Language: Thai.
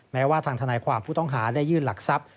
แม้ว่าทางทนายความผู้ต้องหาได้ยื่นหลักทรัพย์